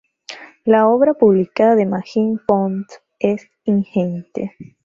La obra publicada de Magín Pont es ingente.